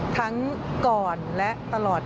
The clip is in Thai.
ทั้งก่อนและตลอด